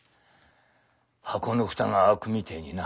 箱の蓋が開くみてえにな。